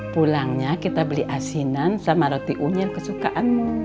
pulangnya kita beli asinan sama roti unyel kesukaanmu